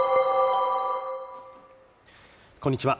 こんにちは。